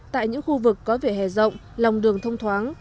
tại những khu vực có vỉa hè rộng lòng đường thông thoáng